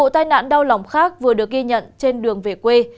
tai nạn đau lòng khác vừa được ghi nhận trên đường về quê